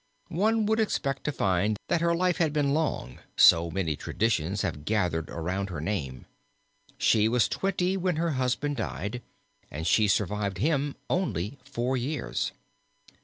One would expect to find that her life had been long, so many traditions have gathered around her name. She was twenty when her husband died, and she survived him only four years.